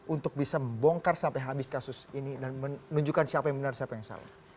untuk bisa membongkar sampai habis kasus ini dan menunjukkan siapa yang benar siapa yang salah